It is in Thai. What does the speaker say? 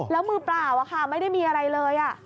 แล้วมือเปล่าไม่ได้มีอะไรเลย